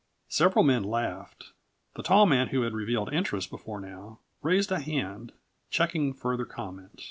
Several men laughed. The tall man who had revealed interest before now raised a hand, checking further comment.